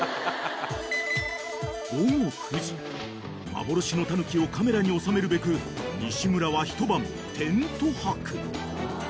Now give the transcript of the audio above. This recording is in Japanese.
［幻のタヌキをカメラに収めるべく西村は１晩テント泊］